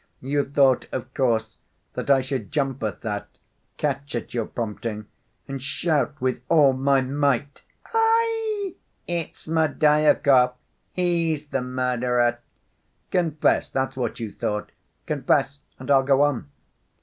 You thought, of course, that I should jump at that, catch at your prompting, and shout with all my might, 'Aie! it's Smerdyakov; he's the murderer.' Confess that's what you thought. Confess, and I'll go on."